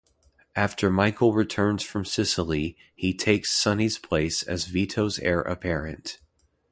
After Michael returns from Sicily, he takes Sonny's place as Vito's heir apparent.